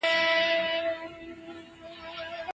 فکري بېسوادان تل د شعور مخه نيسي.